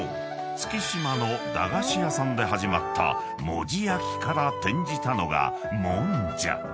月島の駄菓子屋さんで始まった文字焼きから転じたのがもんじゃ］